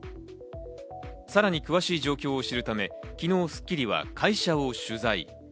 さらに詳しい状況を知るため、昨日『スッキリ』は会社を取材。